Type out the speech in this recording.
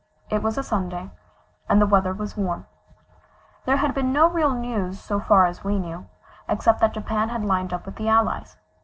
It was a Sunday, and the weather was warm. There had been no real news so far as we knew, except that Japan had lined up with the Allies.